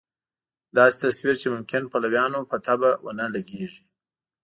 داسې تصویر چې ممکن پلویانو په طبع ونه لګېږي.